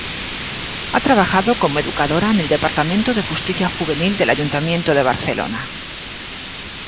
Ha trabajado como educadora en el Departamento de Justicia Juvenil del Ayuntamiento de Barcelona.